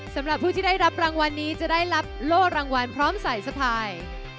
สำหรับผู้ที่ได้รับรางวัลนี้จะได้รับโล่รางวัลพร้อมสายสะพาย